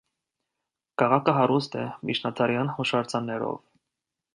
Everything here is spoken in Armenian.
Քաղաքը հարուստ է միջնադարյան հուշարձաններով։